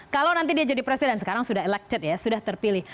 kalau nanti dia jadi presiden sekarang sudah terpilih